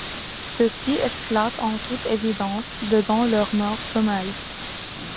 Cecy esclatte en toute évidence dedans leurs mœurs femelles.